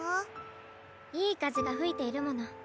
いいかぜがふいているもの。